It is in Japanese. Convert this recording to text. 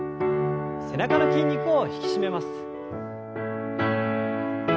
背中の筋肉を引き締めます。